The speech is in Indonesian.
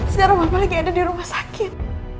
sejarah papa lagi ada di rumah sakit